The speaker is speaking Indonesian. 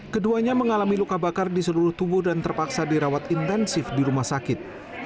keduanya mengalami luka bakar di seluruh tubuh dan terpaksa dirawat intensif di rumah sakit